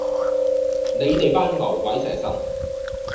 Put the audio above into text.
你哋班牛鬼蛇神